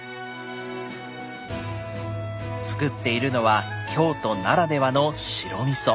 つくっているのは京都ならではの白みそ。